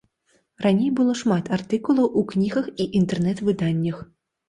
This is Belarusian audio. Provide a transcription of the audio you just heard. Раней было шмат артыкулаў у кнігах і інтэрнэт-выданнях.